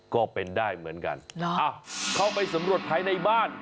ก็เป็นได้เหมือนกันเข้าไปสำรวจภายในบ้าน